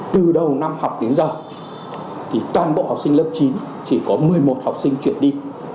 từ đầu năm học đến giờ thì toàn bộ học sinh lớp chín chỉ có một mươi một học sinh chuyển đi